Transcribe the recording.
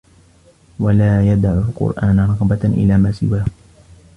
وَلَا يَدَعُ الْقُرْآنَ رَغْبَةً إلَى مَا سِوَاهُ